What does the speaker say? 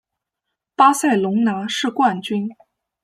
巴塞隆拿是冠军。